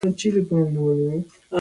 پښتانه د خپل هېواد لپاره قرباني ورکوي.